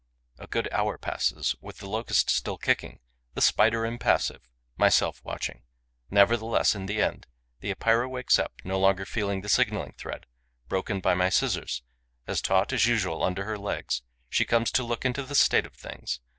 A good hour passes, with the Locust still kicking, the Spider impassive, myself watching. Nevertheless, in the end, the Epeira wakes up: no longer feeling the signalling thread, broken by my scissors, as taut as usual under her legs, she comes to look into the state of things.